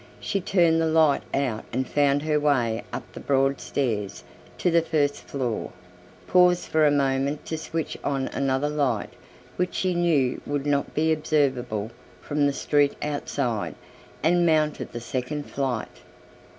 She turned the light out and found her way up the broad stairs to the first floor, paused for a moment to switch on another light which she knew would not be observable from the street outside and mounted the second flight.